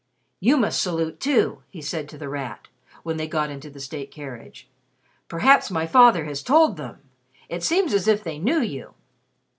"You must salute, too," he said to The Rat, when they got into the state carriage. "Perhaps my father has told them. It seems as if they knew you."